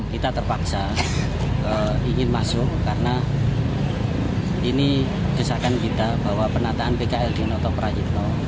kita terpaksa ingin masuk karena ini jasakan kita bahwa penataan pklg noto prajitno